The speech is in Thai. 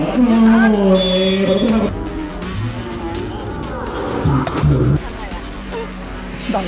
ปฏิเสธเลียนทาง